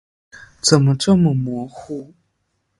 怎么这么模糊？